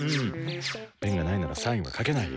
ペンがないならサインはかけないよ。